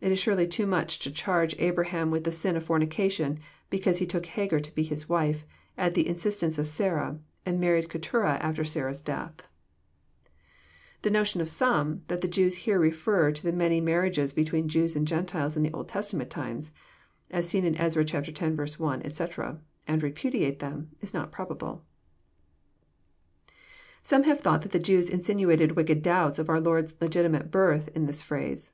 It is surely too much to charge Abraham with the sin of fornication, because he took Hagar to be his wife, at the instance of Sarah, and married Keturah after Sarah's death I The notion of some, that the Jews refer here to the many mar riages between Jews and Gentiles in the Old Testament times, (as seen in Ezra z. 1, etc.,} and repudiate them, is not proba ble. Some have thought that the Jews insinuated wicked doubts of our Lord's legitimate birth in this phrase.